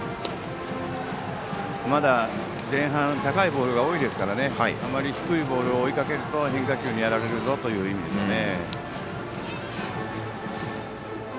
まだ前半高いボールが多いですからあまり低いボールを追いかけると変化球にやられるぞという意味でしょうね。